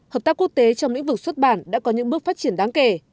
hợp tác quốc tế trong lĩnh vực xuất bản đã có những bước phát triển đáng kể